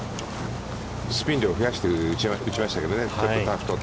スピン量を増やして打ちましたけどね。